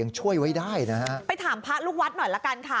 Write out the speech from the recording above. ช่วยไว้ได้นะฮะไปถามพระลูกวัดหน่อยละกันค่ะ